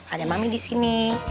ada mami disini